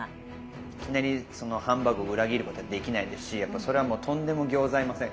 いきなりハンバーグを裏切ることはできないですしやっぱそれはもうとんでもギョーザいません。